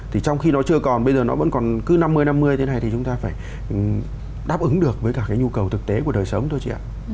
thì trong khi nó chưa còn bây giờ nó vẫn còn cứ năm mươi năm mươi thế này thì chúng ta phải đáp ứng được với cả cái nhu cầu thực tế của đời sống thôi chị ạ